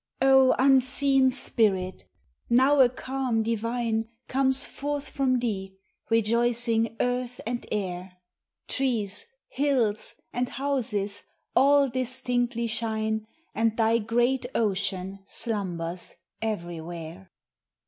O unseen Spirit! now a calm divine Comes forth from thee, rejoicing earth and air! Trees, hills, and houses, all distinctly shine, And thy great ocean slumbers everywhere.